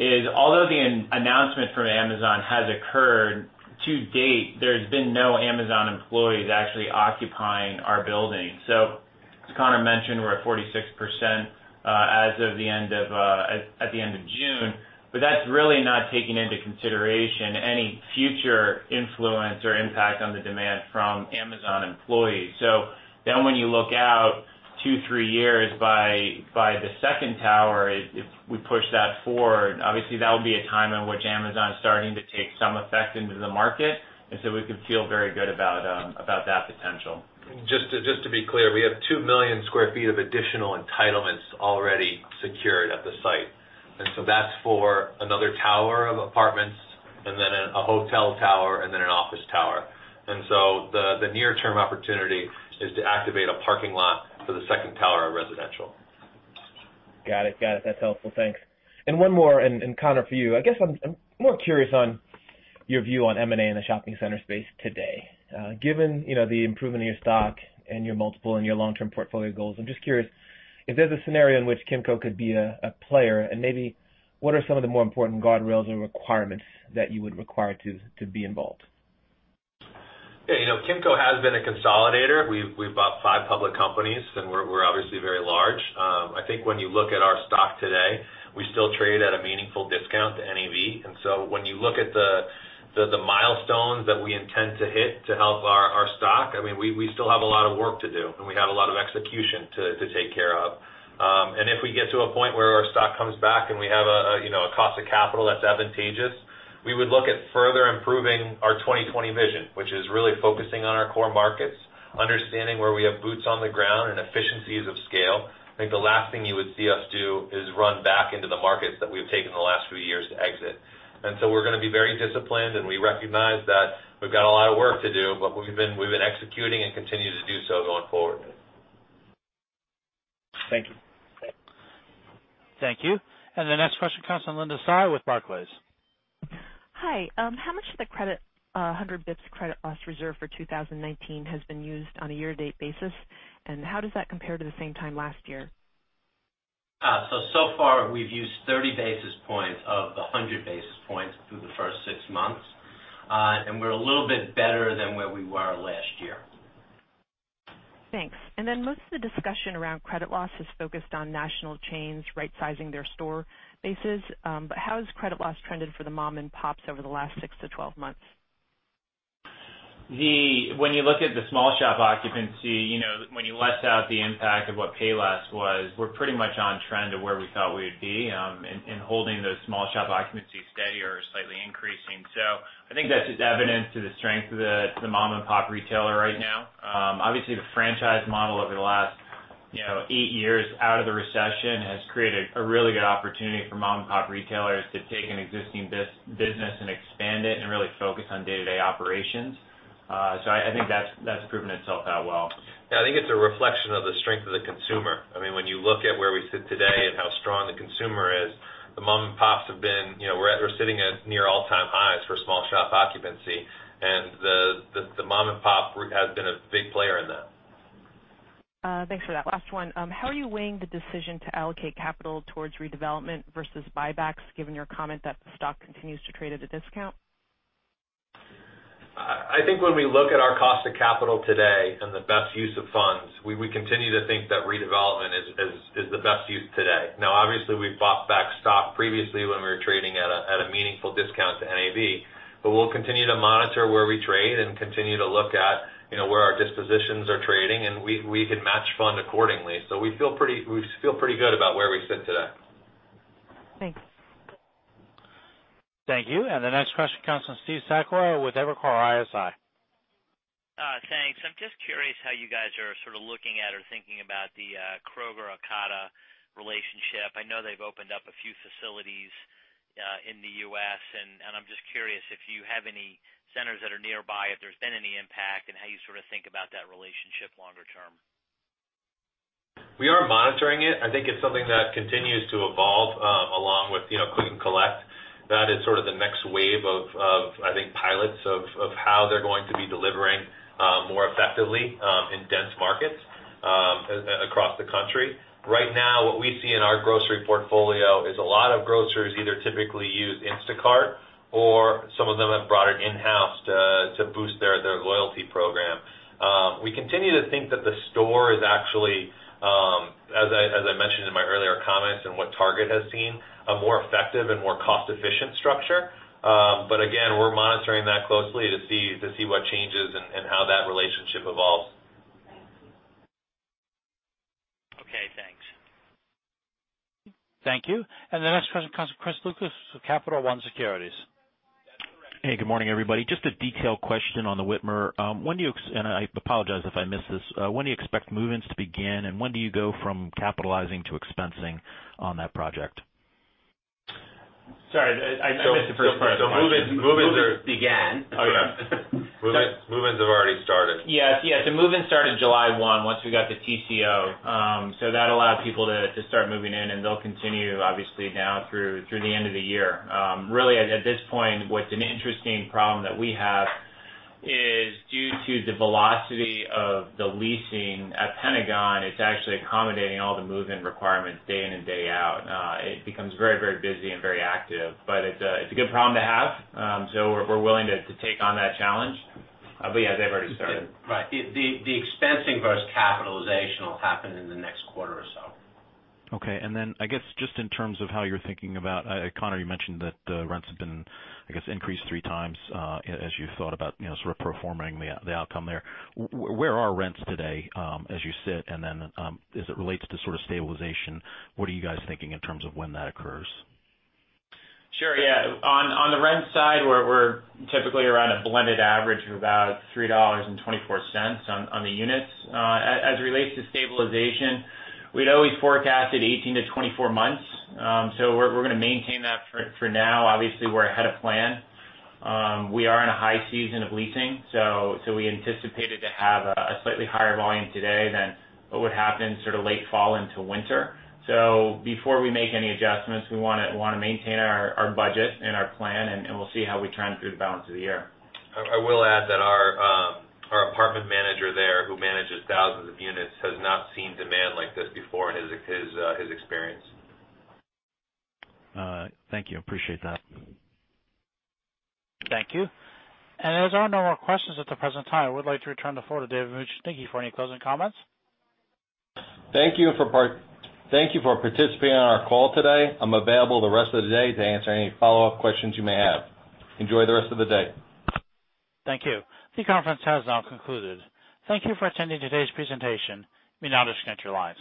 is, although the announcement from Amazon has occurred to date, there has been no Amazon employees actually occupying our building. As Conor mentioned, we're at 46% as of the end of June, but that's really not taking into consideration any future influence or impact on the demand from Amazon employees. When you look out two, three years by the second tower, if we push that forward, obviously that would be a time in which Amazon is starting to take some effect into the market, and so we can feel very good about that potential. Just to be clear, we have 2 million sq ft of additional entitlements already secured at the site. That's for another tower of apartments and then a hotel tower and then an office tower. The near-term opportunity is to activate a parking lot for the second tower of residential. Got it. That's helpful. Thanks. One more, Conor, for you. I guess I'm more curious on your view on M&A in the shopping center space today. Given the improvement in your stock and your multiple and your long-term portfolio goals, I'm just curious if there's a scenario in which Kimco could be a player and maybe what are some of the more important guardrails or requirements that you would require to be involved? Yeah, Kimco has been a consolidator. We've bought five public companies, and we're obviously very large. I think when you look at our stock today, we still trade at a meaningful discount to NAV. When you look at the milestones that we intend to hit to help our stock, we still have a lot of work to do, and we have a lot of execution to take care of. If we get to a point where our stock comes back and we have a cost of capital that's advantageous, we would look at further improving our 2020 Vision, which is really focusing on our core markets, understanding where we have boots on the ground and efficiencies of scale. I think the last thing you would see us do is run back into the markets that we've taken the last few years to exit. We're going to be very disciplined, and we recognize that we've got a lot of work to do, but we've been executing and continue to do so going forward. Thank you. Thank you. The next question comes from Linda Tsai with Barclays. Hi. How much of the credit, 100 basis points credit loss reserve for 2019 has been used on a year-to-date basis, and how does that compare to the same time last year? Far, we've used 30 basis points of the 100 basis points through the first six months. We're a little bit better than where we were last year. Thanks. Most of the discussion around credit loss is focused on national chains rightsizing their store bases. How has credit loss trended for the mom-and-pops over the last 6-12 months? When you look at the small shop occupancy, when you less out the impact of what Payless was, we're pretty much on trend to where we thought we would be, and holding those small shop occupancies steady or slightly increasing. I think that's just evidence to the strength of the mom-and-pop retailer right now. Obviously, the franchise model over the last eight years out of the recession has created a really good opportunity for mom-and-pop retailers to take an existing business and expand it and really focus on day-to-day operations. I think that's proven itself out well. I think it's a reflection of the strength of the consumer. When you look at where we sit today and how strong the consumer is, we're sitting at near all-time highs for small shop occupancy, and the mom-and-pop route has been a big player in that. Thanks for that. Last one. How are you weighing the decision to allocate capital towards redevelopment versus buybacks, given your comment that the stock continues to trade at a discount? I think when we look at our cost of capital today and the best use of funds, we continue to think that redevelopment is the best use today. Obviously, we've bought back stock previously when we were trading at a meaningful discount to NAV. We'll continue to monitor where we trade and continue to look at where our dispositions are trading, and we could match fund accordingly. We feel pretty good about where we sit today. Thanks. Thank you. The next question comes from Steve Sakwa with Evercore ISI. Thanks. I'm just curious how you guys are sort of looking at or thinking about the Kroger-Ocado relationship. I know they've opened up a few facilities in the U.S., and I'm just curious if you have any centers that are nearby, if there's been any impact, and how you sort of think about that relationship longer term. We are monitoring it. I think it's something that continues to evolve along with click and collect. That is sort of the next wave of, I think, pilots of how they're going to be delivering more effectively in dense markets across the country. Right now, what we see in our grocery portfolio is a lot of grocers either typically use Instacart or some of them have brought it in-house to boost their loyalty program. We continue to think that the store is actually, as I mentioned in my earlier comments and what Target has seen, a more effective and more cost-efficient structure. Again, we're monitoring that closely to see what changes and how that relationship evolves. Okay, thanks. Thank you. The next question comes from Chris Lucas with Capital One Securities. Hey, good morning, everybody. Just a detailed question on The Witmer. I apologize if I missed this. When do you expect move-ins to begin, and when do you go from capitalizing to expensing on that project? Sorry, I missed the first part of the question. Move-ins began. Oh, yeah. Move-ins have already started. Yes. The move-ins started July 1, once we got the TCO. That allowed people to start moving in, and they'll continue, obviously, now through the end of the year. Really at this point, what's an interesting problem that we have is due to the velocity of the leasing at Pentagon, it's actually accommodating all the move-in requirements day in and day out. It becomes very busy and very active. It's a good problem to have. We're willing to take on that challenge. Yeah, they've already started. Right. The expensing versus capitalization will happen in the next quarter or so. Okay. I guess, just in terms of how you're thinking about, Conor, you mentioned that the rents have been, I guess, increased 3x as you've thought about sort of proforming the outcome there. Where are rents today as you sit, as it relates to sort of stabilization, what are you guys thinking in terms of when that occurs? Sure, yeah. On the rent side, we're typically around a blended average of about $3.24 on the units. As it relates to stabilization, we'd always forecasted 18-24 months. We're going to maintain that for now. Obviously, we're ahead of plan. We are in a high season of leasing, so we anticipated to have a slightly higher volume today than what would happen sort of late fall into winter. Before we make any adjustments, we want to maintain our budget and our plan, and we'll see how we trend through the balance of the year. I will add that our apartment manager there, who manages thousands of units, has not seen demand like this before in his experience. Thank you. Appreciate that. Thank you. As there are no more questions at the present time, I would like to return the floor to David Bujnicki. Thank you for any closing comments. Thank you for participating on our call today. I'm available the rest of the day to answer any follow-up questions you may have. Enjoy the rest of the day. Thank you. The conference has now concluded. Thank you for attending today's presentation. You may now disconnect your lines.